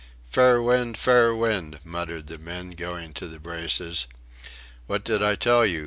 "Fair wind fair wind," muttered the men going to the braces. "What did I tell you?"